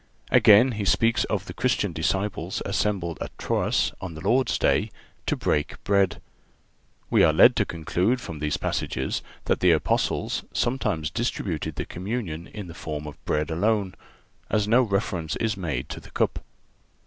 (383) Again he speaks of the Christian disciples assembled at Troas on the Lord's day, "to break bread."(384) We are led to conclude from these passages that the Apostles sometimes distributed the communion in the form of bread alone, as no reference is made to the cup.